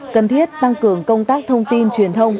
cần thiết tăng cường công tác thông tin truyền thông